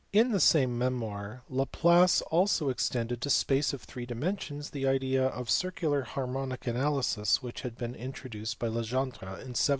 In the same memoir Laplace also extended to space of three dimensions the idea of circular harmonic analysis which had been introduced by Legendre in 1783.